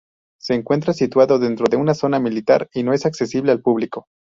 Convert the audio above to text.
Se encuentra situado dentro de una zona militar y no es accesible al público.